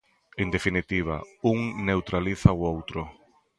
En definitiva, un neutraliza o outro.